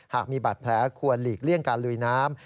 หากมีบาดแผลควรหลีกเลี่ยงการลุยน้ำ